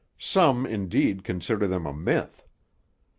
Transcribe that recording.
Some, indeed, consider them a myth.